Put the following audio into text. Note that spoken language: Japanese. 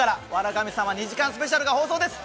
神様』２時間スペシャルが放送です。